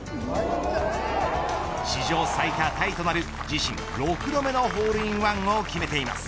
史上最多タイとなる自身６度目のホールインワンを決めています。